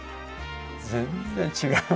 全然違う！